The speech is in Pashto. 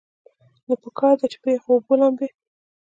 نو پکار ده چې پۀ يخو اوبو لامبي -